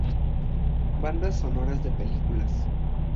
Bandas Sonoras de Películas